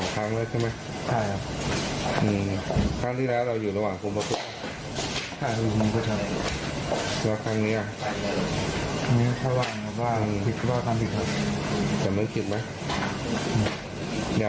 แต่มึงคิดไหมอยากบอกอะไรกับทางแม่เขา